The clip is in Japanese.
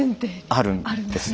あるんです。